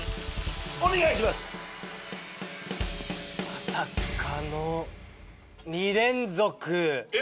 まさかの２連続。